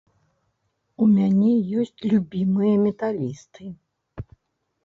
У мяне ёсць любімыя металісты.